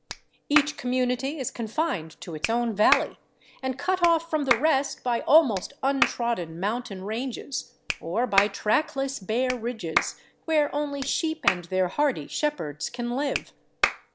Each community is con fined to its own valley and cut off from the rest by almost untrodden mountain ranges, or by trackless bare ridges where only sheep and their hardy shepherds can live.